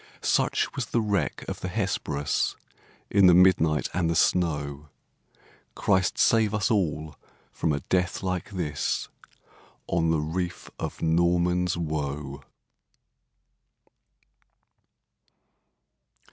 Such was the wreck of the Hesperus, In the midnight and the snow! Christ save us all from a death like this, On the reef of Norman's Woe!